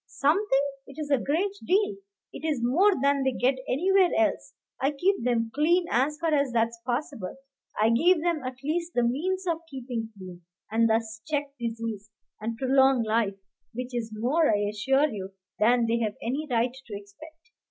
"Something! it is a great deal; it is more than they get anywhere else. I keep them clean, as far as that's possible. I give them at least the means of keeping clean, and thus check disease, and prolong life, which is more, I assure you, than they've any right to expect."